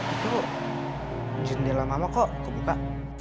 itu jendela mama kok kebuka